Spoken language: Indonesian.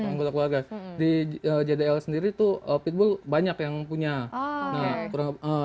anggota keluarga di jdl sendiri tuh pitbull banyak yang punya tapi mereka ramah sama anak kecil karena nggak diajarin